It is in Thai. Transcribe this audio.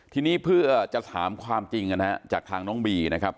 ทีนี้เพื่อจะถามความจริงนะฮะจากทางน้องบีนะครับ